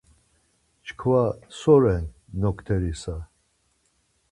Çkva so ren nokterisa.